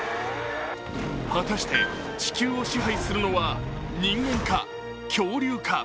果たして、地球を支配するのは人間か、恐竜か。